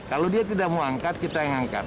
kalau dia tidak mau angkat kita yang angkat